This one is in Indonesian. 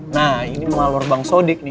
nah ini maklor bang sadiq